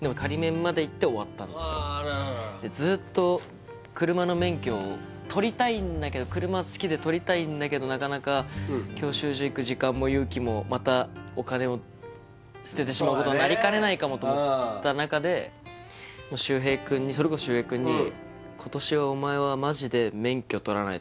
でもずっと車の免許を取りたいんだけど車好きで取りたいんだけどなかなか教習所行く時間も勇気もまたお金を捨ててしまうことになりかねないかもと思った中でそれこそ柊平くんに何だよ